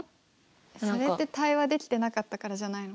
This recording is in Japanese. それって対話できてなかったからじゃないの？